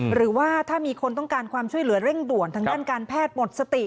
หรือว่าถ้ามีคนต้องการความช่วยเหลือเร่งด่วนทางด้านการแพทย์หมดสติ